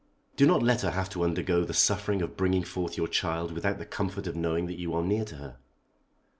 Do not let her have to undergo the suffering of bringing forth your child without the comfort of knowing that you are near to her."